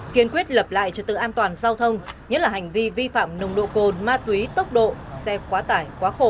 kiên quyết lập lại trật tự an toàn giao thông nhất là hành vi vi phạm nồng độ cồn ma túy tốc độ xe quá tải quá khổ